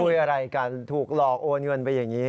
อะไรกันถูกหลอกโอนเงินไปอย่างนี้